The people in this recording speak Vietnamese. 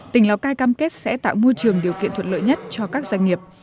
tỉnh lào cai cam kết sẽ tạo môi trường điều kiện thuận lợi nhất cho các doanh nghiệp